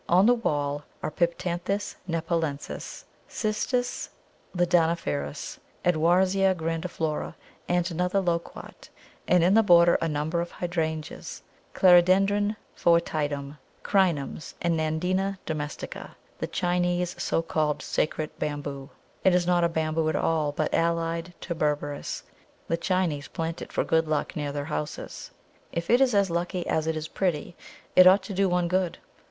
On the wall are Piptanthus nepalensis, Cistus ladaniferus, Edwardsia grandiflora, and another Loquat, and in the border a number of Hydrangeas, Clerodendron foetidum, Crinums, and Nandina domestica, the Chinese so called sacred Bamboo. It is not a Bamboo at all, but allied to Berberis; the Chinese plant it for good luck near their houses. If it is as lucky as it is pretty, it ought to do one good!